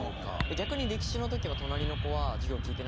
逆に歴史の時は隣の子は授業聞いてなかったり。